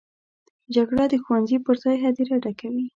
جګړه د ښوونځي پر ځای هدیره ډکوي